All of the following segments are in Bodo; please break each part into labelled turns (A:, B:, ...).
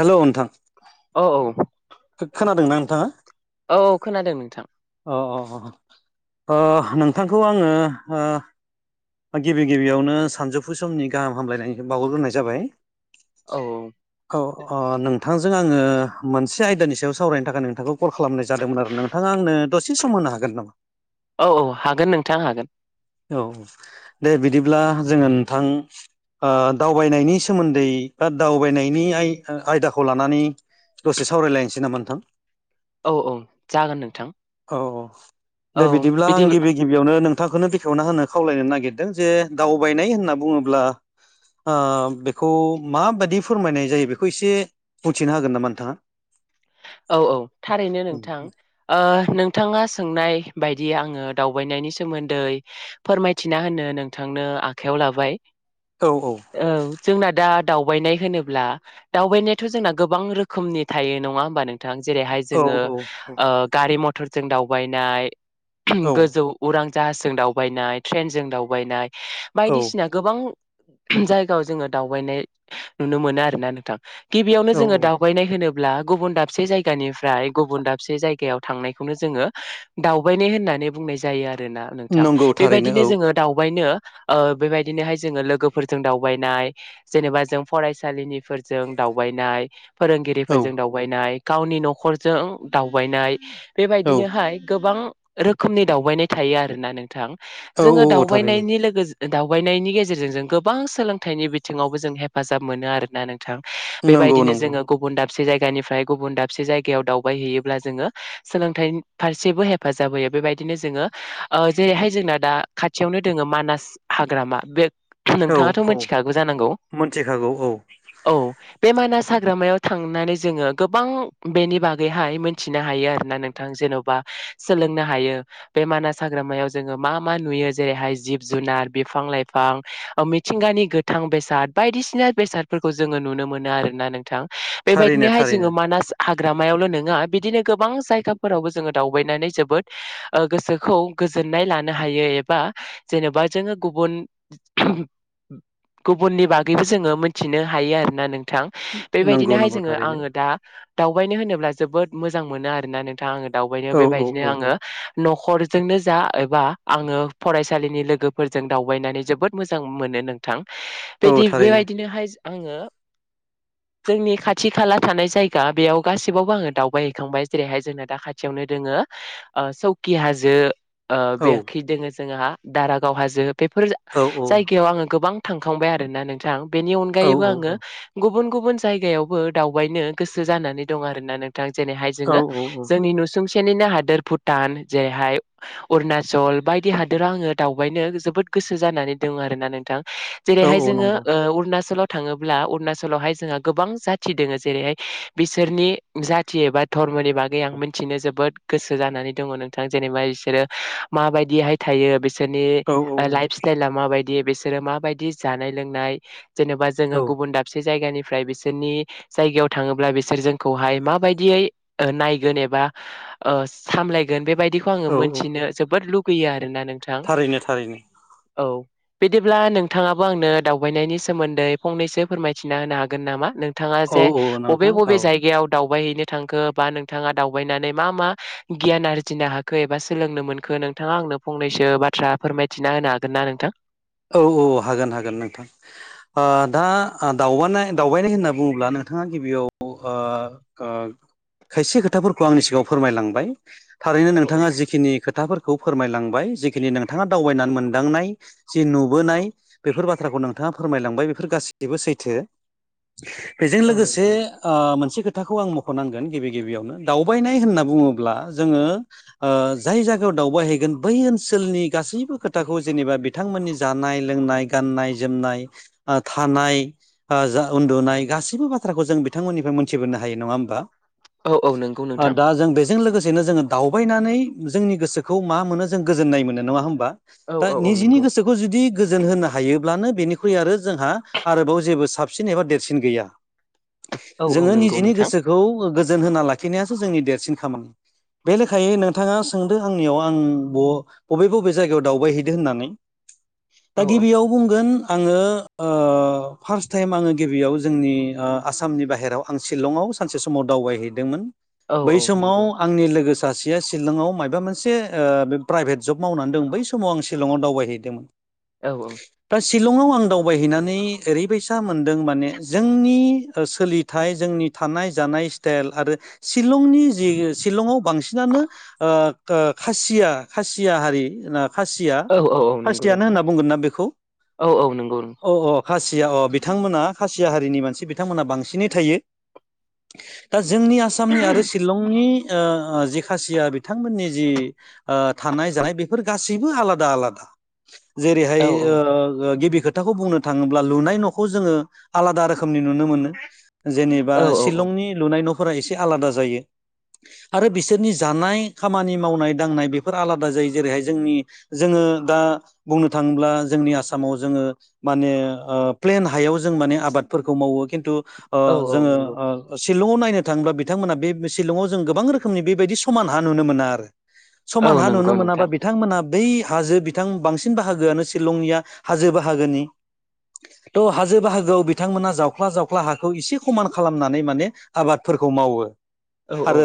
A: हेल' नोंथां।
B: औ
A: खो-खोनादोंना नोंथाङा
B: औ औ खोनादों नोंथां
A: अ अ अ। ओ नोंथांखौ आङो ओ गिबि गिबियावनो सानजौफु समनि गाहाम हामलायनाय बावहरग्रोनाय जाबाय।
B: औ
A: औ अ नों थांजों आङो मोनसे आयदानि सायाव सावरायनो थाखाय नोंथांखौ कल खालामनाय जादोमोन आरो नोंथाङा आंनो दसे सम हो नो हागोन नामा?
B: औ औ हागोन नोंथां हागोन।
A: औ दे बिदिब्ला जोङो नोंथां ओ दावबायनायनि सोमोन्दै बा दावबायनायनि आय-आयदाखौ लानानै दसे सावरायलायनोसै नामा नोंथां?
B: औ औ जागोन नोंथां।
A: औ औ
B: औ
A: दे बिदिब्ला
B: बिदि
A: आं गिबि गिबियावनो नोंथांखोनो बे खेवना होनो खावलायनो नागिरदों जे दावबायनाय होनना बुङोब्ला ओ बेखौ माबायदि फोरमायनाय जायो बेखौ एसे बुंथिना होगोन नामा नोंथाङा? [unintelligible]
B: औ औ थारैनो नोंथां ओ नोंथाङा सोंनाय बायदि आङो दावबायनायनि सोमोन्दै फोरमायथिना होनो नोंथांनो आखाइआव लाबाय। औ जोंना दा दावबायनाय होनोब्ला दावबायनायाथ' जोंना गोबां रोखोमनि थायो नङा होमबा नोंथां? जेरैहाय
A: औ
B: जोङो ओ गारि मथरजों दावबायनाय
A: औ
B: गोजौ उरां जाहासजों दावबायनाय ट्रेनजों दावबायनाय
A: औ
B: बायदिसिना गोबां जायगायाव जोङो दावबायनाय नुनो मोनो आरोना नोंथां। गिबियावनो
A: औ
B: जोङो
A: औ
B: दावबायनाय होनोब्ला गुबुन दाबसे जायगानिफ्राय गुबुन दाबसे जायगायाव थांनायखौनो जोङो दावबायनाय होननानै बुंनाय जायो आर रोना नोंथां
A: नंगौ थारैनो
B: बेबायदिनो
A: औ
B: जोंङो दावबायनो ओ बेबायदिनोहाय जोंङो लोगोफोरजों दावबायनाय जेनेबा जों फरायसालिनि फोरजों दावबायनाय
A: औ
B: फोरोंगिरिफोरजों दावबायनाय गावनि न'खरजों दावबायनाय
A: औ
B: बेबायदि नोहाय गोबां रोखोमनि दावबायनाय थायो आरोना नोंथां
A: औ
B: जोंङो
A: औ औ थारैनो
B: दावबायनायनि लोगो जो दावबायनायनि गेजेरजों जों गोबां सोलोंथाइनि बिथिंङावबो जों हेफाजाब मोनो आरोना नों थां
A: नंगौ
B: बेबायदिनो
A: नंगौ
B: जोंङो गुबुन दाबसे जायगानिफ्राय गुबुन दाबसे जायगायाव दावबायहैयोब्ला जोंङो सोलोंथाइ फारसेबो हेफाजाब होयो बेबायदिनो जोंङो जेरैहाय जोंना दा खाथियावनो दोंङो मानास हाग्रामा बे
A: औ
B: नोंथांङाथ'
A: औ
B: मिथिखागौ जानांगौ
A: मोनथिखागौ औ
B: औ बे मानास हाग्रामायाव थांनानै जोंङो गोबां बेनि बागैहाय मिथिनो हायो आरोना नोंथां जेन'बा सोलोंनो हायो मानास हाग्रामायाव जोंङो मा मा नु जेरैहाय जिब जुनार बिफां लाइफां मिथिंगानि नि गोथां बेसाद बायदिसिना बेसादफोरखौ जोंङो नुनो मोनो आरोना नोंथां
A: थारैनो
B: बेबायदिनोहाय
A: थारैनो
B: जोंङो मानास हाग्रामायावल' नङा बिदिनो गोबां जायगाफोरावबो जोंङो दावबायनानै जोबोद गोसोखौ गोजोननाय लानो हायो एबा जेनेबा जोंङो गुबुन गुबुननि बागैबो जोंङो मोनथिनो हायो आरोना नोंथां
A: नंगौ
B: बेबायदिनोहाय
A: नंगौ
B: जोंङो
A: थारैनो
B: आंङो दावबायनो होनोब्ला जोबोद मोजां मोनो आरोना नोंथाङा आंङो दावबायनोाव
A: औ औ
B: बेबायदिनो
A: औ
B: आंङो न'खरजोंनो जा एबा आङो फरायसालिनि लोगोफोरजों दावबायनानै जोबोद मोजां मोनो नोंथां
A: औ थारैनो
B: बेबायदिनोहाय आंङो जोंनि खाथि खाला थानाय जायगा बेयाव गासिबावबो आङो दावबायहैखांबाय जेरैहाय जोंना दा खाथियावनो दोङोौ सखि हाजो
A: औ
B: बेखि दोंङो जोंहा दारागाव हाजो बेफोर
A: औ औ
B: जायगायाव आंङो गोबां थांखांबाय आरोना नोंथां बेनि
A: औ
B: अनगायैबो आंङो गुबुन गुबुन जायगायावबो दाउ दावबायनो गोसो जाना दं आरोना नोंथां जेरै हायो
A: औ
B: जोंङों नुसुंसेनिनो हादोर भुटान जेरैहाय अरुणाचल बायदि हादोराव आंङो दावबायनो जोबोद गोसो जानानै दं आरोना नोंथां
A: औ
B: जेरैहाय
A: औ
B: जोंङो
A: नंगौ
B: अरुणाचलाव थांङोब्ला अरुणाचलावहाय जोंहा गोबां जाथि दोंङो जेरैहाय बिसोरनि जाथि एबा धर्मनि बागै आं मिथिनो जोबोद गोसो जानानै दंङ नोंथां जेनेबा बिसोरो माबायदिहाय थायो बि बिसोरनि
A: औ औ औ
B: लाइफ स्टाइला माबायदि बिसोरो माबायदि जानाय लोंनाय जेनेबा
A: औ
B: जोंङो गुबुन दाबसे जायगानिफ्राय बिसोरनि जायगायाव थाङोब्ला बिसोर जोंखौहाय माबायदियै नायगोन एबा सामलायगोन बेबायदि बिखौ आंङो
A: औ औ
B: मोनथिनो जोबोद लुुबगैयो आरोना नोंथां
A: थारैनो थारैनो
B: औ बिदिब्ला नोंथांङाबो आंनो दावबायनायनि सोमोन्दै फंनैसो फोरमायथिना होनो हागोन नामा नोंथांङा
A: औ औ
B: बबे
A: नोंथां औ
B: बबे जायगायाव दाव दावबायहैनो थांखो बा नोंथाङा दावबायनानै मा मा गियान आरजिनो हाखो एबा सोलोंनो मोनखो नों नोंथांङा आंनो फंनैसो बाथ्रा फोरमायथिना होनो हागोन ना नोंथां
A: औ औ हागोन हागोन नोंथां दा दावबाय दावबायनाय होनना बुंङोब्ला नों नोंथांङा गिबियाव खायसे खोथाफोरखौ आंनि सिगांङाव फोरमायलांबाय थारैनो
B: औ औ
A: नोंथांङा जिखिनि खोथाफोरखौ फोरमायलांबाय जिखिनि नोंथांङा दावबायनानै मोनदांनाय जि नुबोनाय बेफोर बाथ्राखौ नोंथांङा फोरमायलांबाय बेफोर गासैबो सैथो बेजों
B: औ
A: लोगोसे
B: नंगौ नोंथां
A: मोनसे खोथा खोथाखौ आं मख'नांगोन गिबि गिबियावनो दावबायनाय होनना बुङोब्ला जोङो ओ जाय जायगायाव दावबायहैगोन बै ओनसोलनि गासैबो खोथाखौ जेनेबा बिथांमोननि जानाय लोंनाय गाननाय जोमनाय ओ थानाय जा उन्दुनाय गासैबो बाथ्राखौ जों बिथांमोननिफ्राय मोनथिबोनो हायो। नङा होमबा
B: औ औ नंगौ
A: ओक्
B: नोंथां
A: दा जों बेजों लोगोसे जेननो जोङो दावबायनानै जोंनि गोसोखौ मा मोनो जों गोजोननाय मोनो नङा होमबा
B: औ
A: दा
B: औ औ
A: निजिनि
B: नंगौ
A: गोसोखौ जुदि गोजोन होनो हायोब्लानो बेनिख्रुइ आरो जोंहा आरोबाव जेबो साबसिन एबा देरसिन गैया।
B: औ औ
A: जोङो
B: नंगौ
A: निजेनि
B: नोंथां
A: गोसोखौ गोजोन होना लाखिनायासो जोंनि देरसिन खामानि। बे लेखायै नोंथाङा सोंदों आंनियाव आं बबे बबे जायगायाव दावबायहैदों होननानै दा
B: औ
A: गिबियाव बुंगोन आङो ओ फार्स्ट टाइम ओ आङो गिबियाव जोंनि आसामनि बाहेराव आं शिलंआव सानसे समाव दावबायहैदोंमोन
B: औ
A: बै
B: औ
A: समाव
B: नंगौ
A: आंनि लोगोसे सासेया सिलं आव माइबा मोनसे ओ प्राइभेट जब मावनानै दं बै समाव आं सिलंआव दावबायहै
B: औ औ।
A: सिलंआव आं दावबाय हैनानै ओरै बायसा मोनदों माने जोंनि सोलिथाइ जोंनि थानाय जानाय स्टाइल आरो शिलंनि जि शिलंआव बांसिनानो ओ ओ खासिया खासिया हारि खासिया
B: औ औ औ नंगौ
A: खासियानो
B: नोंथां
A: होनना बुंगोन ना बेखौ
B: औ औ नंगौ
A: अ अ खासिया अ बिथांमोना खासि सिया हारिनि मानसि बिथां मोना बांसिनै थायो। दा जोंनि आसामनि आरो शिलंनि ओ जि खासिया बिथां मोननि जि ओ थानाय जानाय बेफोर गासैबो आलादा आलादा।
B: औ
A: जेरैहाय ओ गिबि खोथाखौ बुंनो थाङोब्ला लुनाय न'खौ जोङो आलादा रोखोम रोखोमनि नुनो मोनो जेनेबा
B: औ औ औ
A: शिलंनि लुनाय न'फोरा एसे आलादा जायो। आरो बिसोरनि जानाय खामानि मावनाय दांनाय बेफोर आलादा जायो जेरै हाय जोंनि जोङो ओ दा बुंनो थाङोब्ला जोंनि आसामाव जोङो माने ओ प्लेन हायाव जों माने आबाद फोरखौ औ खिन्थु ओ
B: औ औ
A: जोंङो
B: नंगौ
A: ओ सि शिलंआव नायनो थाङोब्ला बिथां मोना बे शिलंआव जों गोबां रोखोमनि बेबायदि समान हा नुनो मोना आरो।
B: औ
A: समान हा नुनो
B: नंगौ
A: मोनाबा
B: नोंथां
A: बिथांमोना बै हाजो बिथां बांसिन बाहागो आनो शिलंनिया हाजो बाहागोनि। थ' हाजो बाहागोआव बिथांमोना जावख्ला जावख्ला हाखौ एसे खमान खालामनानै माने आबादफोर फोरखौ मावो
B: औ औ
A: आरो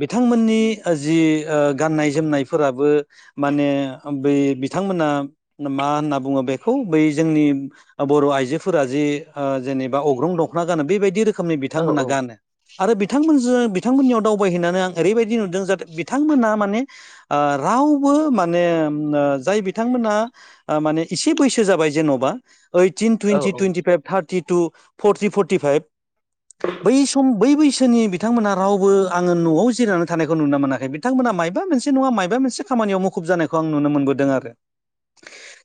A: बिथां मोननि जि ओ गाननाय जोमनाय फोराबो माने बै बिथां मोना मा होनना बुङो बेखौ बै जोंनि बर' आइजो फोरा जि ओ जेनेबा अग्रं दख'ना गानो बेबायदि रोखोमनि
B: औ औ
A: बिथांमोना गानो। आरो बिथां मोनजों बिथां मोननियाव दावबाय हैनानै आं ओरै बायदि नुदों जाहाथे बिथां मोनहा माने ओ रावबो माने ओ जाय बिथां मोना माने एसे बैसो जाबाय जेन'बा eighteen twenty twenty five thirty two forty forty five बै सम बै बै इसोरनि बिथांमोना रावबो आङो न'आव जिरायनानै थानायखौ नुनो मोनाखै बिथांमोना मायबा मोनसे नङा मायबा मोनसे खामानियाव मुखुब जानायखौ आं नुनो मोनबोदों आरो।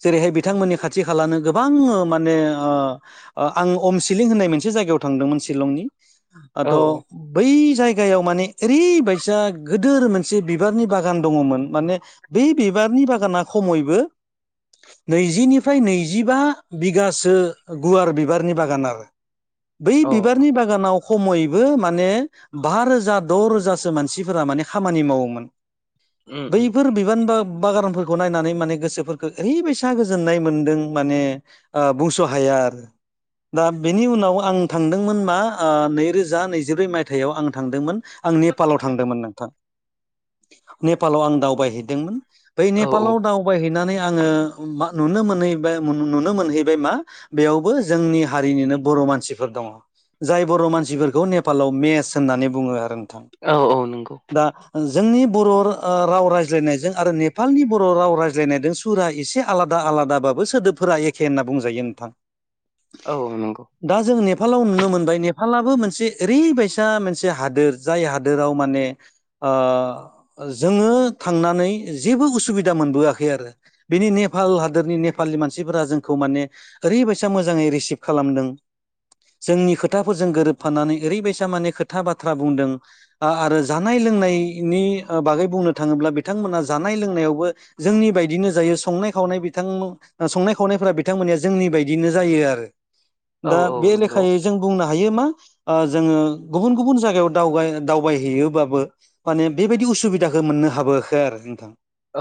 A: जेरै हाय बिथांमोननि खाथि खालानो गोबां माने आं अमसिलिं होननाय मोनसे जायगा थांदों मोन सिलंनि आं
B: औ
A: ट बै जायायाव माने ओरै बायसा गोदोर मोनसे बिबारनि बागान दङ मोन माने बे बिबार बारनि बागाना खमैबो नैजि निफ्राय नैजिबा बिगासो गुवार बिबारनि बागान आरो। बै
B: औ
A: बिबारनि बागानाव खमैबो माने बा रोजा द' रोजा सो मानसि फोरा माने खामानि मावोमोन।
B: उम उम
A: बैफोर बिबान बा बागानफोर गनायनानै माने गोसो फोरखौ ओ गोसोफोरखौ ओरै बायसा गोजोननाय मोन्दों माने बुंस' हाया आरो। दा बेनि उनाव आं थांदोंमोन मा नैरोजा नैजिब्रै मायथाइयाव आं थांदोंमोन। आं नेपालाव थांदों मोन नोंथां। नेपालाव आं दावबाय हैदोंमोन।
B: औ
A: नेफालाव दावबाय हैनानै आङो मा नुनो मोनहै बाय नुनो मोनहै बाय मा बेयावबो जोंनि हारिनिनो बर'। मानसि फोर दङ जाय बर' मानसि फोरखौ नेपालाव मेस होननानै बुङो आरो। नोंथां
B: औ औ नंगौ।
A: दा जोंनि बर' ओ राव रायज्लाय नायजों आरो नेपालनि बर' बर' राव रायज्लाय नायजों सुरा एसे आलादा आलादा बाबो सोदोबफोरा एखे होनना बुंजायो नोंथां।
B: औ नंगौ।
A: दा जों नेपालाव नुनो मोनबाय नेपालाबो मोनसे ओरै बायसा मोनसे हादोर जाय हादोराव माने ओ जोङो थांनानै जेबो उसुबिदा सुबा मोनबोआखै आरो बिनि नेपाल हादोरनि नेपालनि मानसिफोरा जोंखौ माने ओरैबायसा मोजाङै रिसिभ खालामदों। जोंनि खोथाफोरजों गोरोबफानानै ओरैबायसा माने खोथा बाथ्रा बुंदों आरो जानाय लोंनायनि बागै बुंनो थाङोब्ला बिथांमोना जानाय लोंनायावबो। जोंनि बायदिनो जायो संनाय खावनाय बिथांमोन संनाय खावनायफोरा बिथांमोनया जोंनि बायदिनो आरो।
B: औ
A: दा
B: औ
A: बे
B: नंगौ
A: लेखायै जों बुंनो हायो मा। जोङो गुबुन गुबुन जायगायावाव दावबायहैयोबाबो माने बेबायदि उसुबिदाखौ, बेखौ मोननो हाबोआखै आरो नोंथां
B: औ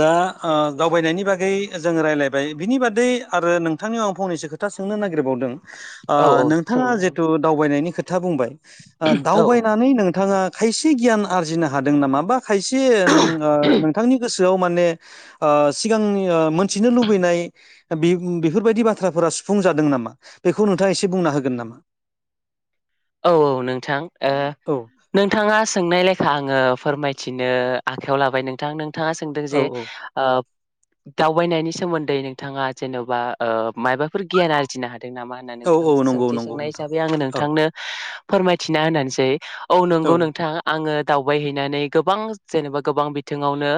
A: दा ओ दावबायनायनि बागै जोङो रायज्लायबाय बिनि बादै आरो नोंथांनियाव आं फंनैसो खोथा खोथा सोंनो नागिरबावदों
B: औ औ
A: नोंथाङा
B: सोंनो हागोन
A: जिथु दावबायनायनि खोथा बुंबाय।
B: औ
A: दावबायनानै नोंथाङा खायसे गियान आरजिनो हादों नामा बा खायसे नों ओ नोंथांनि गोसो गोसोखां माने ओ सिगांनि मोनथिनो लुबैनाय बि बेफोरबायदि बाथ्राफोरा सुफुंजादों नामा बेखौ नोंथाङा एसे बुंना होगोन नामा?
B: औ औ नोंथां ओ
A: औ
B: नोंथाङा सोंनाय लेखा आङो फोरमायथिनो आखायाव लाबाय नोंथां नोंथाङा सोंदों
A: औ
B: जे
A: औ
B: ओ दावबायनायनि सोमोन्दै नोंथाङा जेन'बा ओ माबाफोर गियान आरजिनो हादों नामा होननानै
A: औ
B: नोंथां
A: औ नंगौ
B: सोंथि
A: नंगौ
B: सोंनाय
A: नोंथां
B: जाबाय आङो
A: औ
B: नोंथांनो फोरमायथिना होननानैसै। औ नंगौ नोंथां आङो दावबायहैनानै गोबां जेनेबा गोबां बिथिङावनो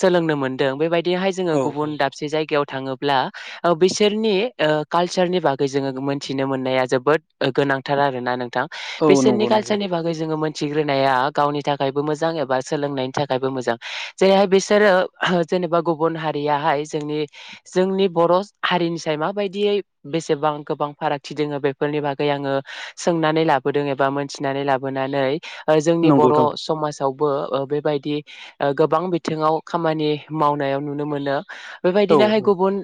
B: सोलोंनो मोनदों बेबायदि। बिहाय जोङो
A: औ
B: गुब
A: औ
B: दसे जायगायाव थाङोब्ला बिसोरनि कालचारनि बागै जोङो मोनथिनो मोननाया जोबोद गोनांथार। ना आरो ना नोंथां
A: औ
B: बिसोरनि
A: नंगौ नंगौ
B: कालसारनि बागै जोंङो मोन दिथिग्रोनाया गावनि थाखायबो मोजां एबा सोलोंनायनि थाखायबो मोजां जेरैहाय बिसोरो जेनेबा गुबुन हारियाहाय जोंनि जोंनि बर' हारिनि साइ माबायदियै बेसेबां गोबां फारागथि दङो बेफोरनि बागै आङो। सोंनानै लाबोदों एबा मोनथिनानै लाबोनानै जोंनि
A: नंगौ
B: बर'
A: नोंथां
B: समाज थवबो बेबायदि गोबां बिथिङाव खामानि मावनायाव नुनो मोनो।
A: औ
B: बेबायदिनोहाय
A: औ
B: गुबुन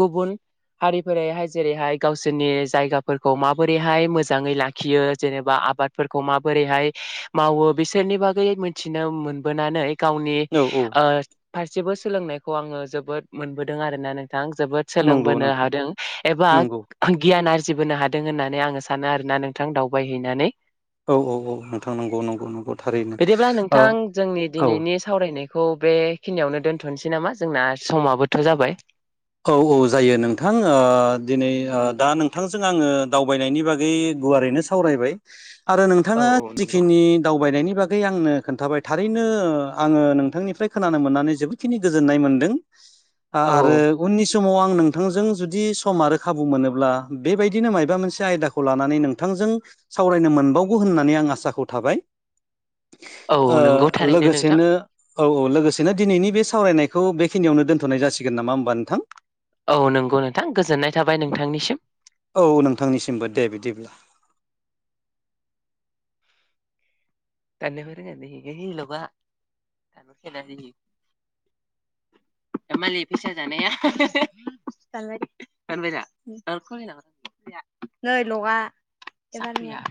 B: गुबुन हारिफोरैहाय जेरैहाय गावसोरनि जायगाफोरखौ माबोरैहाय मोजं मोजाङै लाखियो जेनेबा आबादफोरखौ माबोरैहाय मावो बिसोरनि बागै मिथिनो मोनबोनानै गावनि
A: औ औ
B: ओ फारसेबो सोलोंनायखौ आङो जोबोद मोनबोदों आरोना न बिथां जोबोद
A: नंगौ
B: सोलोंबोनो
A: नोंथां
B: हादों एबा
A: नंगौ
B: गियान आरजिबोनो हादों होननानै आङो सान सानो आरो ना नोंथां दावबाय हैैनानै।
A: औ औ औ नोंथां नंगौ नंगौ नंगौ थारैनो
B: बिदिब्ला
A: ओ
B: नोंथां जोंनि
A: औ
B: दिनैनि सावरायनाय खौ बेखिनियावनो दोनथ'नसै नामा जोंना समाबोथ' जाबाय
A: औ औ जायो नोंथां ओ दिनै ओ दा नोंथांजों आङो दावबायनायनि बागै गुवारैनो सावरायबाय आरो
B: औ
A: नोंथाङा
B: नंगौ
A: जिखिनि दावबायनायनि बागै आंनो खोन्थाबाय थारैनो आङो नोंथांनिफ्राय खोनानो मोननानै जोबोदखिनि गोजोननाय मोनदों। आ
B: औ
A: आरो उननि समाव आं नोंथांजों जुदि सम आरो खाबु मोनोब्ला बेबायदिनो मायबा मोनसे आयदाखौ लानानै नोंथांजों सावरायनो मोनबावगौ होननानै आं आसाखौ थाबाय
B: औ औ नंगौ
A: ओ
B: थारैनो नोंथां
A: लोगोसेनो औ औ लोगोसेनो दिनैनि बे सावरायनायखौ बेखिनियावनो दोनथ'नाय जासिगोन नामा होमबा नोंथां?
B: औ नोंगौ नोंथां गोजोननाय थाबाय नोंथांनिसिम
A: औ नोंथांनिसिमबो दे बिदिब्ला
B: [unintelligible]
A: [inaudible]
B: मानलि फैसा जानाया [unintelligible] दानबायदे दानबायदा ओम ओ खुलिनो हागोन नै लगआ [unintelligible]